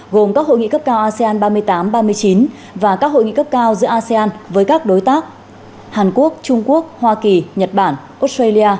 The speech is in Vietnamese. gồm các hội nghị cấp cao asean ba mươi tám ba mươi chín và các hội nghị cấp cao giữa asean với các đối tác hàn quốc trung quốc hoa kỳ nhật bản australia